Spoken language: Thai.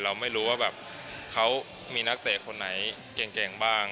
เราไม่รู้ว่าแบบเขามีนักเตะคนไหนเก่งบ้าง